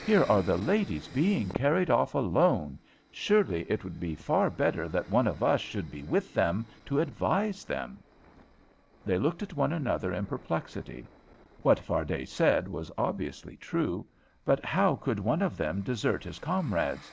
Here are the ladies being carried off alone. Surely it would be far better that one of us should be with them to advise them." They looked at one another in perplexity. What Fardet said was obviously true, but how could one of them desert his comrades?